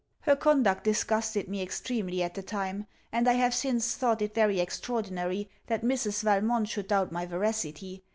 Her conduct disgusted me extremely at the time; and I have since thought it very extraordinary, that Mrs. Valmont should doubt my veracity.